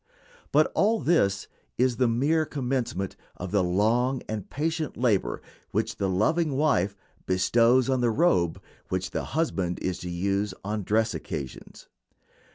But all this is the mere commencement of the long and patient labor which the loving wife bestows on the robe which the husband is to use on dress occasions.